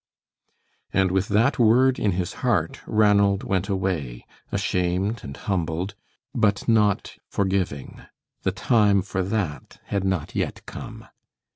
And with that word in his heart, Ranald went away, ashamed and humbled, but not forgiving. The time for that had not yet come.